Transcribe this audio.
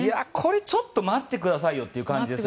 ちょっと待ってくださいよという感じです。